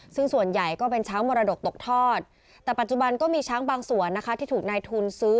ซึ่งส่วนใหญ่ก็เป็นช้างมรดกตกทอดแต่ปัจจุบันก็มีช้างบางส่วนนะคะที่ถูกนายทุนซื้อ